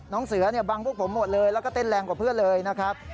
เสือเนี่ยบังพวกผมหมดเลยแล้วก็เต้นแรงกว่าเพื่อนเลยนะครับ